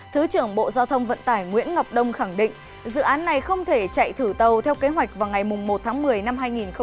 thứ trưởng bộ giao thông vận tải nguyễn ngọc đông khẳng định dự án này không thể chạy thử tàu theo kế hoạch vào ngày một tháng một mươi năm hai nghìn hai mươi